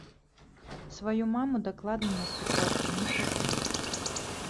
Сваю маму дакладна на спектакль не пушчу!